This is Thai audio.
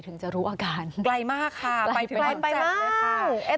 ถึงจะรู้อาการเกรย์มากค่ะไปถึงจังเลยค่ะใกล้มาก